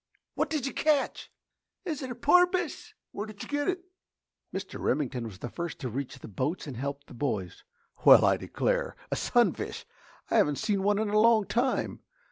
"What did you catch?" "Is it a porpoise?" "Where did you get it?" Mr. Remington was the first to reach the boats and help the boys. "Well, I declare a sunfish! Haven't seen one in a long time.